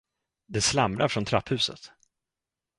Det slamrar från trapphuset.